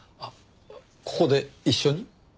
ここで一緒に？